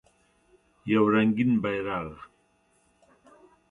یو رنګین بیرغ